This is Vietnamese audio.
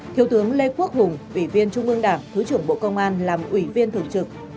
thiếu tướng lê quốc hùng ủy viên trung ương đảng thứ trưởng bộ công an làm ủy viên thường trực